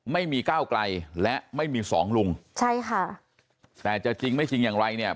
ไม่มีก้าวไกลและไม่มีสองลุงใช่ค่ะแต่จะจริงไม่จริงอย่างไรเนี่ย